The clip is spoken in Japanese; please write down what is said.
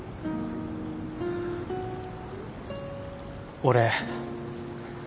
俺。